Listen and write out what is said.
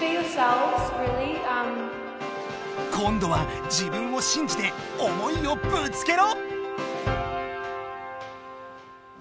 今度は自分を信じて思いをぶつけろ！